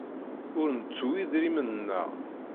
Ur nettu idrimen-nneɣ.